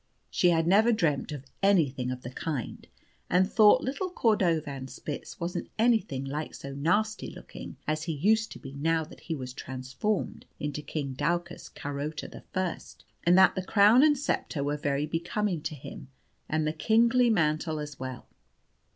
She had never dreamt of anything of the kind, and thought little Cordovanspitz wasn't anything like so nasty looking as he used to be now that he was transformed into King Daucus Carota the First, and that the crown and sceptre were very becoming to him, and the kingly mantle as well.